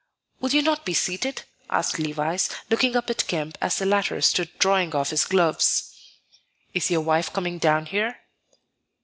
"Will you not be seated?" asked Levice, looking up at Kemp as the latter stood drawing off his gloves. "Is your wife coming down here?"